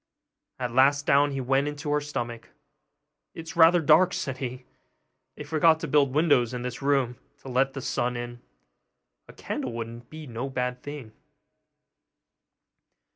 At last down he went into her stomach. 'It is rather dark,' said he; 'they forgot to build windows in this room to let the sun in; a candle would be no bad thing.